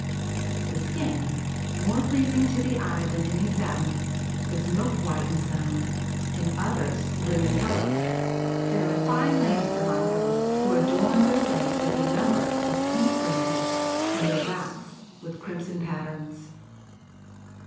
The skin, more pleasing to the eye than any satin, is milk white in some, in others lemon yellow. There are fine ladies among them who adorn their legs with a number of pink bracelets and their backs with crimson patterns.